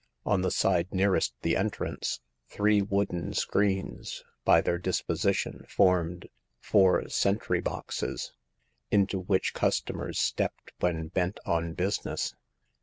On the side nearest the entrance three wooden screens by their dis position fbrmed four sentry boxes, into which customers stepped when bent on business.